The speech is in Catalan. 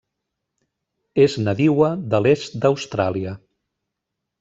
És nadiua de l'est d'Austràlia.